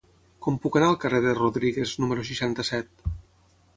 Com puc anar al carrer de Rodríguez número seixanta-set?